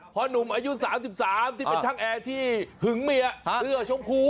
หนุ่มอายุ๓๓ที่เป็นช่างแอร์ที่หึงเมียเสื้อชมพู